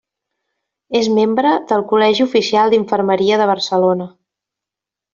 És membre del Col·legi Oficial d'Infermeria de Barcelona.